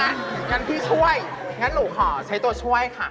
งั้นพี่ช่วยงั้นหนูขอใช้ตัวช่วยค่ะ